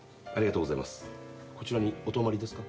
こちらにお泊まりですか？